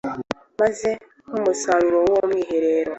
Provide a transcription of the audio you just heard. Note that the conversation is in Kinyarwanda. maze nk’umusaruro w’uwo mwiherero